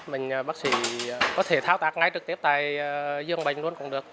mình bác sĩ có thể thao tác ngay trực tiếp tại dương bệnh luôn cũng được